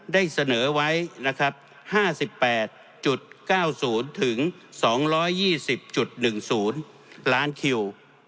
ได้เสนอไว้๕๘๙๐๒๒๐๑๐ล้านคิว